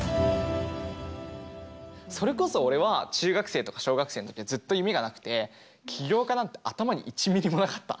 それこそ俺は中学生とか小学生の時はずっと夢がなくて起業家なんて頭に１ミリもなかった。